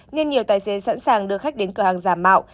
nên nhiều tài xế sẵn sàng đưa khách đến cửa hàng giả mạo